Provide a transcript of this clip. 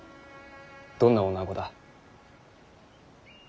どんな女子だ。